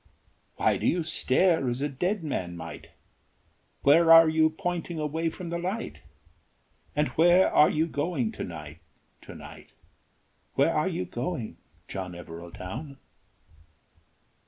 Why do you stare as a dead man might? Where are you pointing away from the light? And where are you going to night, to night, Where are you going, John Evereldown?"